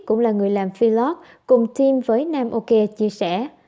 cũng là người làm vlog cùng team với namokê chia sẻ